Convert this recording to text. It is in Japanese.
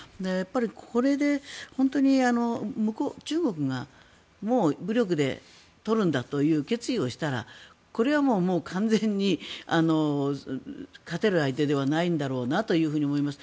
これで本当に中国が、もう武力で取るんだという決意をしたらこれはもう完全に勝てる相手ではないんだろうなと思います。